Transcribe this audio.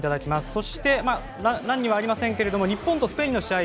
そして、欄にはありませんけども日本とスペインの試合